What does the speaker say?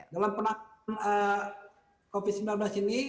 dalam penanganan covid sembilan belas ini